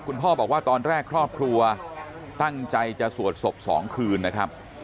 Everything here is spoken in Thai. คุณพ่อบอกว่าตอนแรกครอบครัวตั้งใจจะสวดศพ๒คืนนะครับ